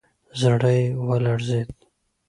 زړه يې ولړزېد.